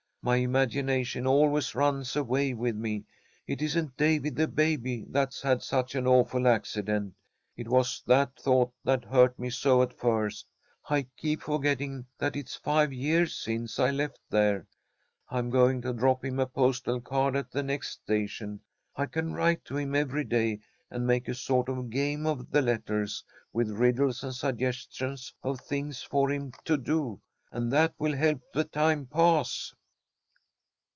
My imagination always runs away with me. It isn't Davy the baby that's had such an awful accident. It was that thought that hurt me so at first. I keep forgetting that it's five years since I left there. I'm going to drop him a postal card at the next station. I can write to him every day, and make a sort of game of the letters with riddles and suggestions of things for him to do, and that will help the time pass."